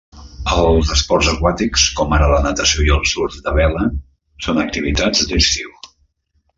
Els esports aquàtics com ara la natació i el surf de vela són activitats d'estiu.